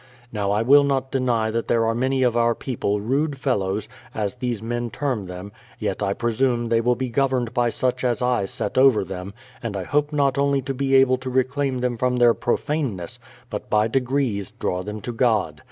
... Now I will not deny that there are many of our people rude fellows, as these men term THE PLYMOUTH SETTLEIVIENT 103 them; yet I presume they will be governea by such as I set over them, and I hope not only to be able to reclaim them from their profaneness, but, by degrees, draw them to God.